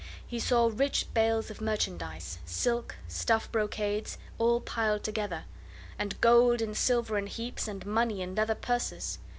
He saw rich bales of merchandise silk, stuff brocades, all piled together, and gold and silver in heaps, and money in leather purses.